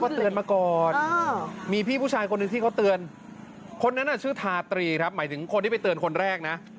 เตือนมาก่อนมีพี่ผู้ชายคนหนึ่งที่เขาเตือนคนนั้นชื่อทาตรีครับหมายถึงคนที่ไปเตือนคนแรกนะ